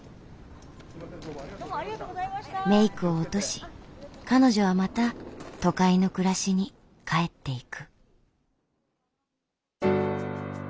メイクを落とし彼女はまた都会の暮らしに帰っていく。